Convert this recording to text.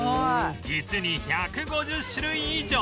実に１５０種類以上